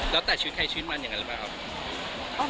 แล้วแต่ชีวิตใครชีวิตมันอย่างนั้นหรือเปล่าครับ